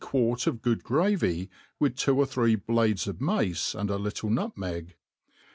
quart of good gravy» )vitb two or three blades of mace, and a little nutmeg. .